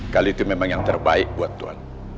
kali itu memang yang terbaik buat tuhan